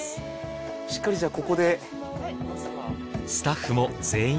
しっかりじゃあここで。